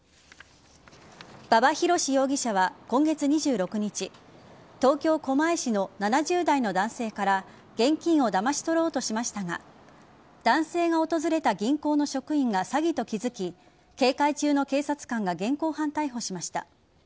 馬場博司容疑者は今月２６日東京・狛江市の７０代の男性から現金をだまし取ろうとしましたが男性が訪れた銀行の職員が詐欺と気づき警戒中の警察官が現行犯逮捕しました。